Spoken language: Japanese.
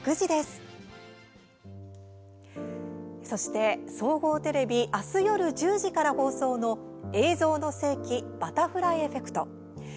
そして、総合テレビ明日夜１０時から放送の「映像の世紀バタフライエフェクト」。